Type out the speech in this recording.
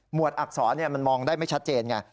วดอักษรมันมองได้ไม่ชัดเจนไง